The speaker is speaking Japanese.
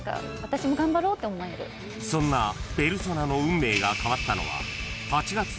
［そんなペルソナの運命が変わったのは］